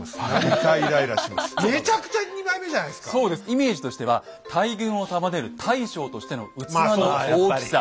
イメージとしては大軍を束ねる大将としての器の大きさ。